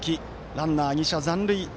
ランナー、２者残塁。